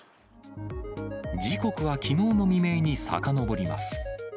時刻はきのうの未明にさかのぼります。